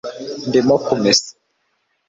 ndimo kumesa